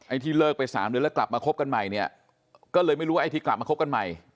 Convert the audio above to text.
ที่เลิกไปสามเดือนแล้วกลับมาคบกันใหม่เนี่ยก็เลยไม่รู้ว่าไอ้ที่กลับมาคบกันใหม่